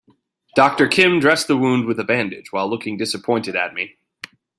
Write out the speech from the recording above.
Doctor Kim dressed the wound with a bandage while looking disappointed at me.